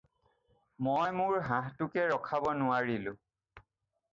মই মোৰ হাঁহিটোকে ৰখাব নোৱাৰিলোঁ।